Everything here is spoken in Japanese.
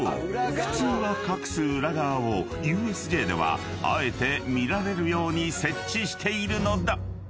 普通は隠す裏側をＵＳＪではあえて見られるように設置しているのだ］